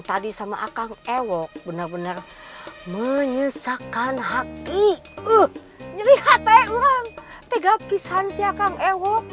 tadi sama akang ewok benar benar menyisakan hati uh nyelihat teh orang teh gapisan si akang ewok